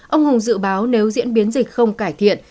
ông hùng dự báo nếu diễn biến dịch không cải thiện